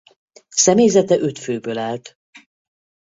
Személyzete öt főből állt.